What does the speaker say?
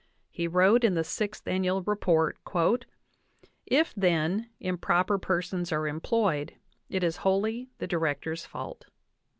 He wrote in the Sixth Annual Report: "If, then, improper persons are employed, it is wholly the Di rector's fault."